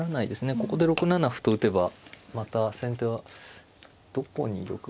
ここで６七歩と打てばまた先手はどこに玉が行くのか。